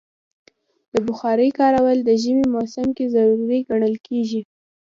د بخارۍ کارول د ژمي موسم کې ضروری ګڼل کېږي.